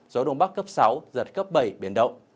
gió đông bắc cấp sáu giật cấp bảy biển động